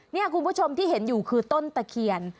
นี่คุณผู้ชมที่เห็นอยู่คือต้นตะเคียน